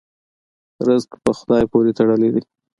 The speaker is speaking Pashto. رزق په خدای پورې تړلی دی.